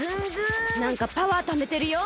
なんかパワーためてるよ！